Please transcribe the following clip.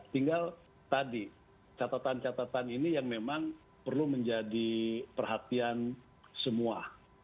tinggal tadi catatan catatan ini yang memang perlu menjadi perhatian semua